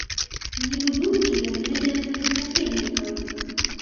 Нібы думкі ён ведае сваіх насельнікаў.